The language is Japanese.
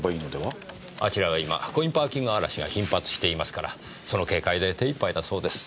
あちらは今コインパーキング荒らしが頻発していますからその警戒で手いっぱいだそうです。